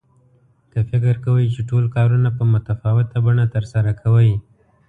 که فکر کوئ چې ټول کارونه په متفاوته بڼه ترسره کوئ.